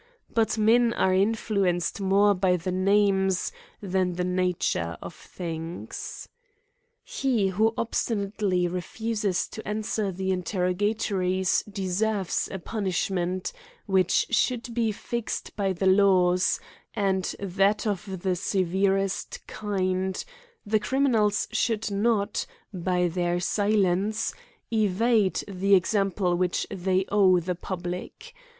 But men are in fluenced more by the names than the nature of things. He who obstinately refuses to answer the inter rogatories deserves a punishment, which should be fixed by the laws, and that of the severest kind ; the criminals should not, by their silence, avade the example which they owe the public.